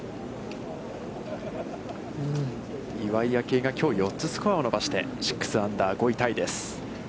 岩井明愛がきょう４つスコアを伸ばして６アンダー、５位タイです。